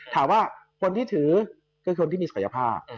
ถามว่าคนที่ถือคือคนที่มีศักยภาพ